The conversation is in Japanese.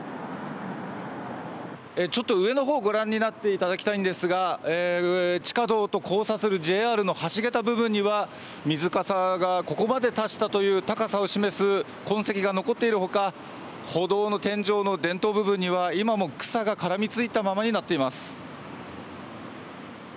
ちょっと上の方ご覧になっていただきたいんですが地下道と交差するＪＲの橋桁部分には水かさがここまで達したという高さを示す痕跡が残っているほか歩道の天井の電灯部分には今も草が絡みついたままになっています。